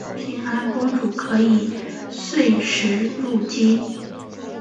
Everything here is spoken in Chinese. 安平公主可以岁时入京。